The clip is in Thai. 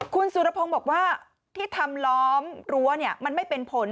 คุณสุรพงศ์บอกว่าที่ทำล้อมรั้วมันไม่เป็นผล